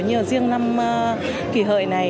như riêng năm kỳ hợi này